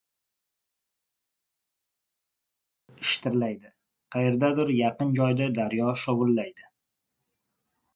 Tashqarida teraklar shitirlaydi. Qayerdadir, yaqin joyda daryo shovullaydi.